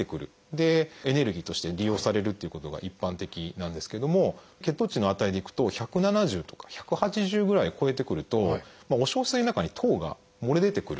でエネルギーとして利用されるっていうことが一般的なんですけども血糖値の値でいくと１７０とか１８０ぐらいを超えてくるとお小水の中に糖が漏れ出てくる。